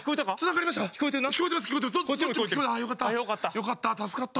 よかった。